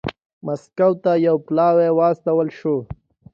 مسکو ته یو پلاوی واستول شو.